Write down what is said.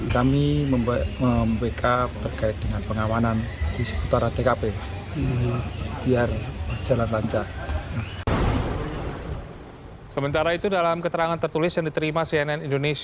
kami membeka terkait dengan pengamanan